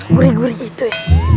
guri guri gitu ya